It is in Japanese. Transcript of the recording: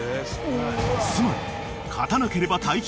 ［つまり］